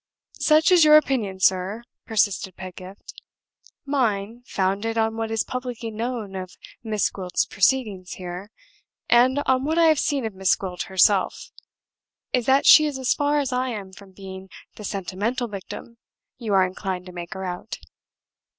"Such is your opinion, sir," persisted Pedgift. "Mine, founded on what is publicly known of Miss Gwilt's proceedings here, and on what I have seen of Miss Gwilt herself, is that she is as far as I am from being the sentimental victim you are inclined to make her out.